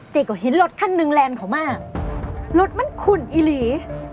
ก็เห็นรถคันหนึ่งแลนด์เขามารถมันขุ่นอีหลี